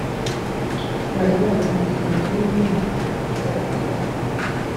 . Bari baritandukanyije n’Imana kubw’ibyaha byabo,